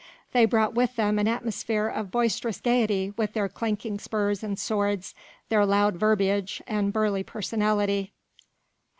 They brought with them an atmosphere of boisterous gaiety with their clanking spurs and swords, their loud verbiage and burly personality.